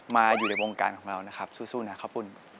มาอยู่ในวงการของเรานะครับสู้นะขอบคุณ